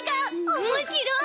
おもしろい！